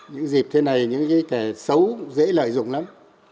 những dịp thế này những cái kẻ xấu dễ lợi dụng lắm